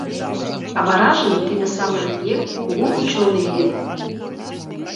А варажым тиде самырык еҥ кугу ученый лийын.